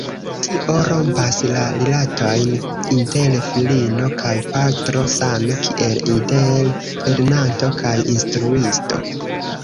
Tio rompas la rilatojn inter filino kaj patro same kiel inter lernanto kaj instruisto.